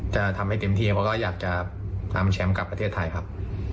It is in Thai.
จะทำให้เต็มที่แล้วก็อยากจะนำแชมป์กลับประเทศไทยครับ